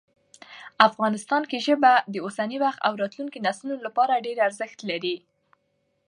افغانستان کې ژبې د اوسني وخت او راتلونکي نسلونو لپاره ډېر ارزښت لري.